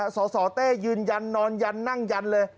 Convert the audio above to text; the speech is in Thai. สสเต้ยืนยันนอนยันนั่งยันเลย